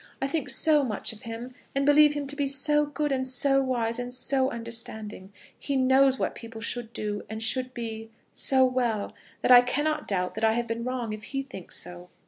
I think so much of him, and believe him to be so good, and so wise, and so understanding, he knows what people should do, and should be, so well, that I cannot doubt that I have been wrong if he thinks so."